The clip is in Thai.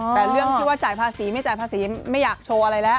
แต่เรื่องที่ว่าจ่ายภาษีไม่จ่ายภาษีไม่อยากโชว์อะไรแล้ว